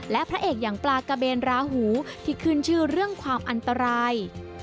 และพระเอกอย่างปลากระเบนราหูที่ขึ้นชื่อเรื่องความอันตราย